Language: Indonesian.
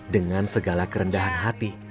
dengan segala kerendahan hati